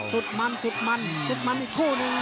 สุดมันสุดมันอยู่ชุดมันอีกที่